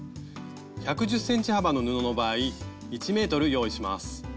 １１０ｃｍ幅の布の場合１ｍ用意します。